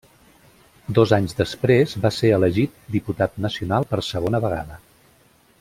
Dos anys després va ser elegit diputat nacional per segona vegada.